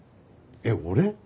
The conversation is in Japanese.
えっ俺？